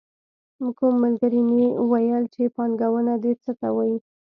کوم ملګري مې ویل چې پانګونه دې ته وايي.